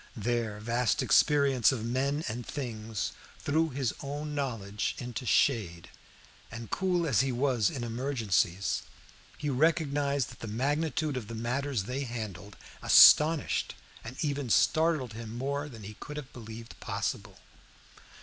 Their vast experience of men and things threw his own knowledge into the shade, and cool as he was in emergencies, he recognized that the magnitude of the matters they handled astonished and even startled him more than he could have believed possible.